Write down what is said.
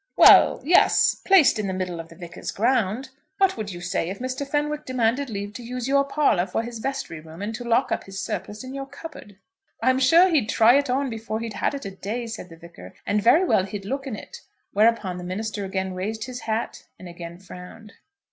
"Well, yes, placed in the middle of the Vicar's ground! What would you say if Mr. Fenwick demanded leave to use your parlour for his vestry room, and to lock up his surplice in your cupboard?" "I'm sure he'd try it on before he'd had it a day," said the Vicar, "and very well he'd look in it," whereupon the minister again raised his hat, and again frowned.